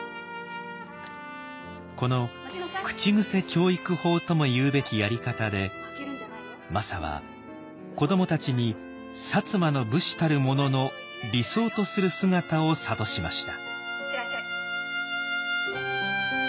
この口癖教育法とも言うべきやり方でマサは子どもたちに摩の武士たる者の理想とする姿を諭しました。